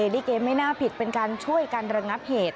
ดีเกมไม่น่าผิดเป็นการช่วยกันระงับเหตุ